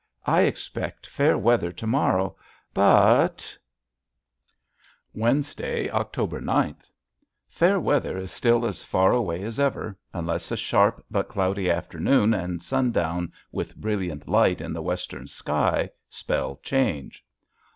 I expect fair weather to morrow. But [Illustration: WILDERNESS] Wednesday, October ninth Fair weather is still as far away as ever, unless a sharp but cloudy afternoon and sundown with brilliant light in the western sky spell change.